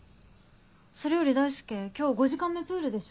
それより大輔今日５時間目プールでしょ。